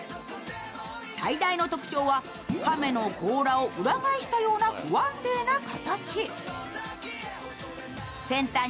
最大の特徴は、亀の甲羅を裏返したような不安定な形。